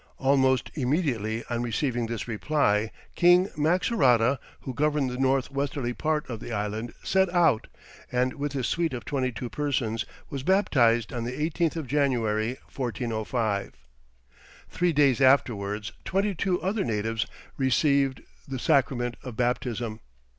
Almost immediately on receiving this reply, King Maxorata, who governed the north westerly part of the island, set out, and with his suite of twenty two persons, was baptized on the 18th of January, 1405. Three days afterwards twenty two other natives received the sacrament of baptism.